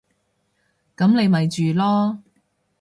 噉你咪住囉